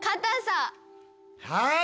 はい！